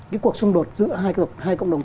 cái cuộc xung đột giữa hai cộng đồng